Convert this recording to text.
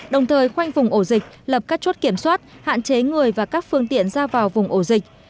đồng thời khoanh vùng ổ dịch lập các chốt kiểm soát hạn chế người và các phương tiện ra vào vùng ổ dịch